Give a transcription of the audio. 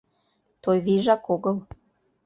Тойвийжак огыл.